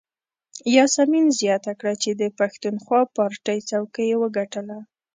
یاسمین زیاته کړه چې د پښتونخوا پارټۍ څوکۍ یې وګټله.